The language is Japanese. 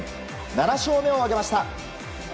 ７勝目を挙げました。